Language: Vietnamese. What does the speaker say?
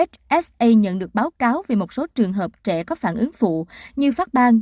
hsa nhận được báo cáo về một số trường hợp trẻ có phản ứng phụ như phát ban